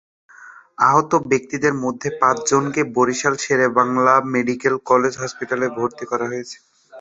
আহত ব্যক্তিদের মধ্যে পাঁচজনকে বরিশাল শের-ই-বাংলা মেডিকেল কলেজ হাসপাতালে ভর্তি করা হয়েছে।